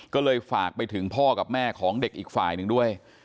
ก็เลยฝากไปถึงพ่อกับแม่ของเด็กอีกฝ่ายหนึ่งด้วย